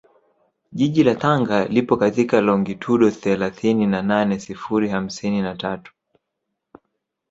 Jiji la Tanga lipo katika longitudo thelathini na nane sifuri hamsini na tatu